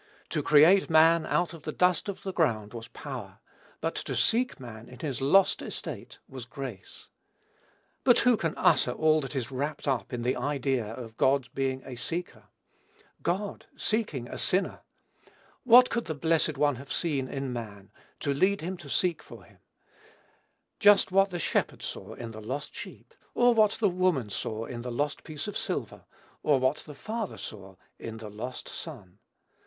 To create man out of the dust of the ground was power; but to seek man in his lost estate was grace. But who can utter all that is wrapped up in the idea of God's being a seeker? God seeking a sinner? What could the Blessed One have seen in man, to lead him to seek for him? Just what the shepherd saw in the lost sheep; or what the woman saw in the lost piece of silver; or what the father saw in the lost son.